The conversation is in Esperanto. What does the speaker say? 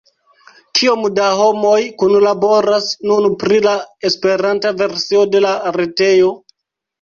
Kiom da homoj kunlaboras nun pri la Esperanta versio de la retejo?